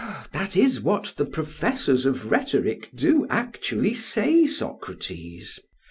PHAEDRUS: That is what the professors of rhetoric do actually say, Socrates.